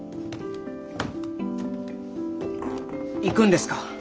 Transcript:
行くんですか？